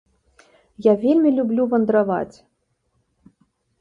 Я вельмі люблю вандраваць!